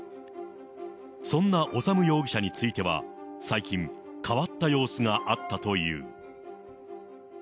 そんな修容疑者については、最近、変わった様子があったという。